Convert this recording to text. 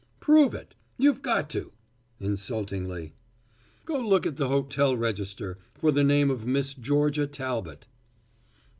"Prove it. You've got to," insultingly. "Go look at the hotel register, for the name of Miss Georgia Talbot."